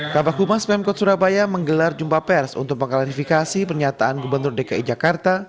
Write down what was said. kabah kumas pemkot surabaya menggelar jumpa pers untuk pengklarifikasi pernyataan gubernur dki jakarta